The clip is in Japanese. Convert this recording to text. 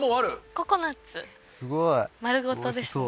ココナツ丸ごとですね。